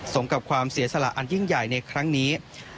กับความเสียสละอันยิ่งใหญ่ในครั้งนี้